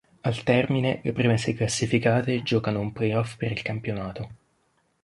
Al termine, le prime sei classificate giocano un play-off per il campionato.